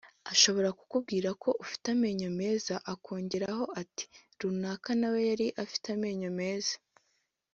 Ashobora kukubwira ko ufite amenyo meza akongeraho ati ‘Runaka nawe yari afite amenyo meza’